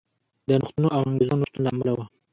د نوښتونو او انګېزو نشتون له امله و.